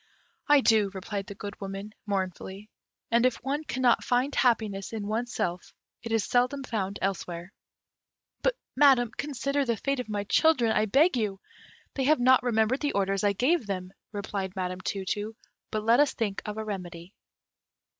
"I do," replied the Good Woman, mournfully; "and if one cannot find happiness in one's self, it is seldom found elsewhere. But, Madam, consider the fate of my children, I beg of you!" "They have not remembered the orders I gave them," replied Madame Tu tu; "but let us think of a remedy."